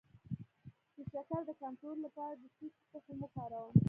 د شکر د کنټرول لپاره د څه شي تخم وکاروم؟